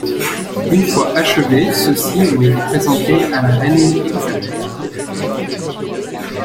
Une fois achevés, ceux-ci ont été présentés à la reine Élisabeth d'Angleterre.